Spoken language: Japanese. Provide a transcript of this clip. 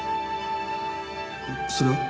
それは？